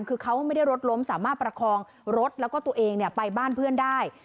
คือเขาไม่ได้รถล้มสามารถประคองรถแล้วก็ตัวเองไปบ้านเพื่อนได้